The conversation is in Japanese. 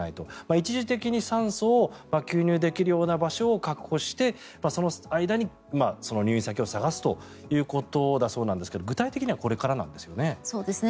一時的に酸素を吸入できるような場所を確保してその間に入院先を探すということなんですけど具体的にはこれからなんですよね。